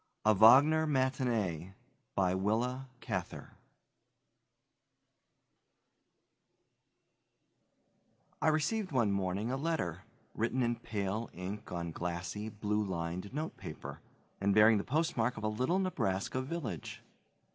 A Wagner Matinee I received one morning a letter, written in pale ink on glassy, blue lined notepaper, and bearing the postmark of a little Nebraska village.